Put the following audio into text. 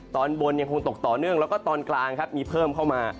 ตอนบนยังคงตกต่อเนื่องแล้วก็ตอนกลางครับมีเพิ่มเข้ามา